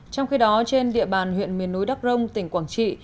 trong khi đó trên địa bàn huyện miền núi đắc rông tỉnh quảng trị